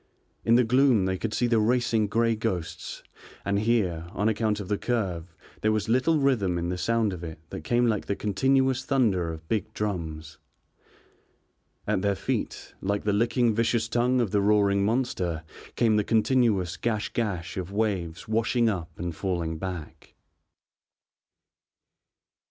In the gloom they could see the racing grey ghosts, and here, on account of the curve, there was little rhythm in the sound of it that came like the continuous thunder of big drums. At their feet, like the licking vicious tongue of the roaring monster, came the continuous gash gash of waves washing up and falling back.